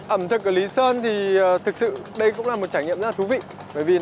ẩm thực ở lý sơn thì thực sự đây cũng là một trải nghiệm rất là thú vị